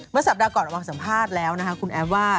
สัปดาห์ก่อนออกมาสัมภาษณ์แล้วนะคะคุณแอฟว่า